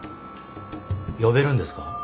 呼べるんですか？